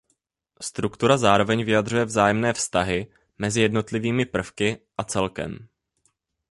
Struktura zároveň vyjadřuje vzájemné vztahy mezi jednotlivými prvky a celkem.